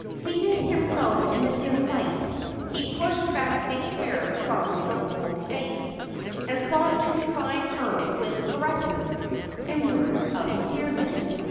Seating himself in the dim light, he pushed back the hair from her cold face, and sought to revive her with caresses and words of endearment.